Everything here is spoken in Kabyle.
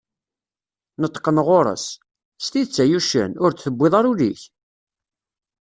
Neṭṭqen γur-s: S tidett ay uccen, ur d-tewwiḍ ara ul-ik?